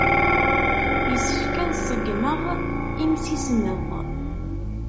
Yessefk ad ṣeggmeɣ imsismeḍ.